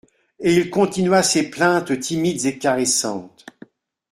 Et il continua ses plaintes timides et caressantes.